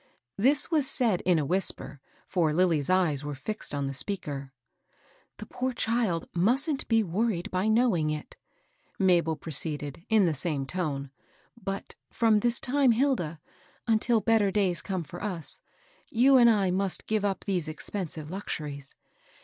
This was said in a whisper, for Lilly's eyes were fixed on the speaker. The poor child mustn't be wor ried by knowing it," Mabel proceeded, in the same tone, " but, from this time, Hilda, until better days come for us, you and I must give up these expen sive luxuries.